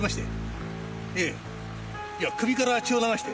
ええいや首から血を流して。